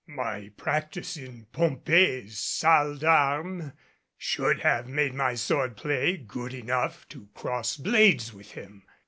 My practise in Pompée's salle d'armes should have made my sword play good enough to cross blades with him.